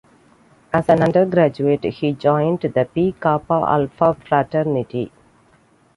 As an undergraduate, he joined the Pi Kappa Alpha Fraternity.